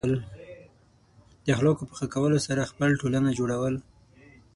د اخلاقو په ښه کولو سره خپل ټولنه جوړول.